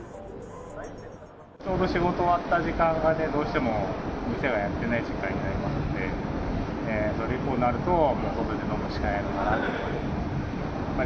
ちょうど仕事終わった時間がね、どうしても店がやってない時間になりますので、それ以降になると、もう外で飲むしかないのかなって。